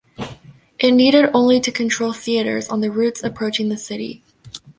It needed only to control theatres on the routes approaching the city.